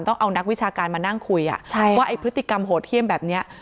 ต้องเอานักวิชาการมานั่งคุยว่าไอ้พฤติกรรมโหดเยี่ยมแบบนี้